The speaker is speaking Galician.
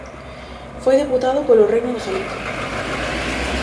Foi deputado polo Reino de Galicia.